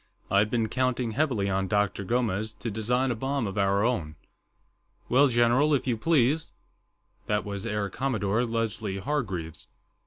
I'd been counting heavily on Dr. Gomes to design a bomb of our own." "Well, general, if you please." That was Air Commodore Leslie Hargreaves.